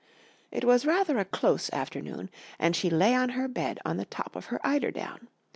It was rather a close afternoon, and she lay on her bed on the top of her eiderdown.